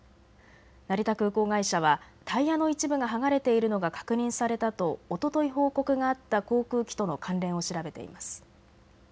成田空港会社はタイヤの一部が剥がれているのが確認されたとおととい報告があった航空機との関連を調べています。